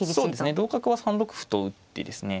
同角は３六歩と打ってですね